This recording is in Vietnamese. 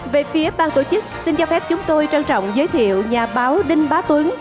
về phía bang tổ chức xin cho phép chúng tôi trân trọng giới thiệu nhà báo đinh bá tuấn